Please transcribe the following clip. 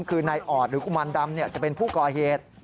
คือนายออดหรือกุมารดำจะเป็นผู้ก่อเหตุ